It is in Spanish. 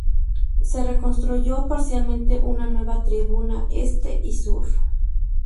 Se reconstruyó parcialmente una nueva tribuna este y sur.